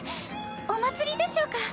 お祭りでしょうか？